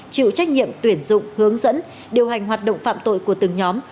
chịu trách nhiệm tuyển dụng hướng dẫn điều hành hoạt động phạm tội của từng nhóm